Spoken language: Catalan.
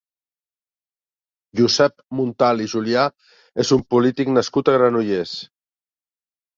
Josep Muntal i Julià és un polític nascut a Granollers.